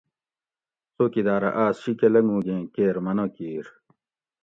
څوکیدارہ آۤس شیکہ لنگوگیں کیر منع کیر